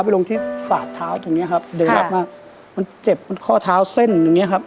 ลงที่สาดเท้าตรงเนี้ยครับเดินออกมามันเจ็บมันข้อเท้าเส้นอย่างเงี้ครับ